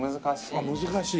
あっ難しい。